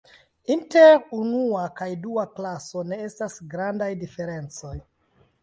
Inter unua kaj dua klaso ne estas grandaj diferencoj.